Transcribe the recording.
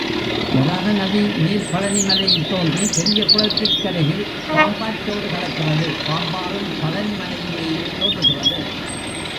வராக நதி, மேல் பழனிமலையில் தோன்றி, பெரிய குளத்திற்கருகில் பாம்பாற்றோடு கலக்கிறது, பாம்பாறும் பழனிமலையிலேயே தோன்றுகிறது.